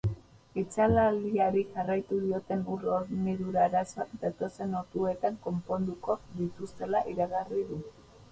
Itzalaldiari jarraitu dioten ur hornidura arazoak datozen orduetan konponduko dituztela iragarri du.